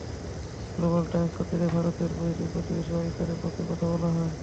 Global Times পত্রিকায় ভারতের বৈরী প্রতিবেশী পাকিস্তানের পক্ষে কথা বলা হয়।